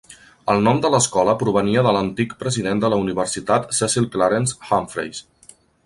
El nom de l"escola provenia de l"antic president de la universitat Cecil Clarence Humphreys.